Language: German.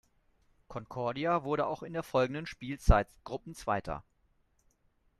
Concordia wurde auch in der folgenden Spielzeit Gruppenzweiter.